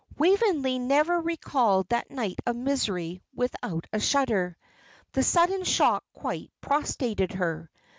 Waveney never recalled that night of misery without a shudder. The sudden shock quite prostrated her.